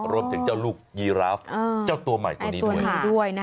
รวมถึงเจ้าลูกยีราฟเจ้าตัวใหม่ตัวนี้ด้วย